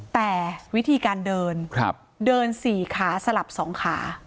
แต่วิธีการเดินเดิน๔ขาสลับ๒ขา